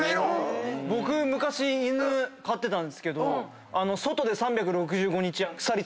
僕昔犬飼ってたんですけど外で。